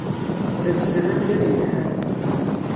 Tazzla d addal yelhan.